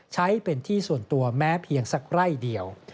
ใช้เป็นที่ส่วนตัวแม้เพียงสักไร่เดียว